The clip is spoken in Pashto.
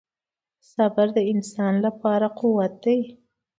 • صبر د انسان لپاره قوت دی.